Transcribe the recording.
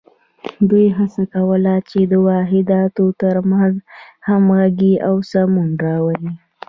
دوی هڅه کوله چې د واحداتو تر منځ همغږي او سمون راولي.